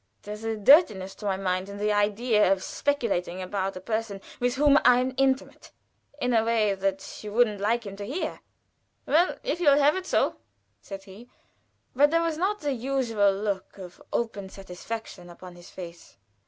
There's a dirtiness, to my mind, in the idea of speculating about a person with whom you are intimate, in a way that you wouldn't like him to hear." "Well, if you will have it so," said he; but there was not the usual look of open satisfaction upon his face.